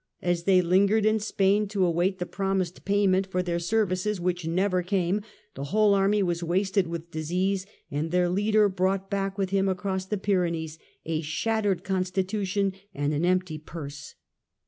As they lingered in Spain to await the promised payment for their services, which never came, the whole army was wasted with disease, and their leader brought back with him across the Pyrenees a shattered constitution and an empty purse.